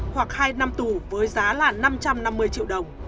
hoặc hai năm tù với giá là năm trăm năm mươi triệu đồng